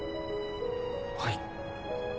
はい。